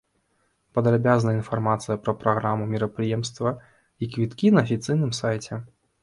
Падрабязная інфармацыя пра праграму мерапрыемства і квіткі на афіцыйным сайце.